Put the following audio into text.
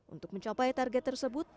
untuk mencapai target tersebut